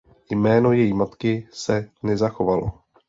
Jméno její matky se nezachovalo.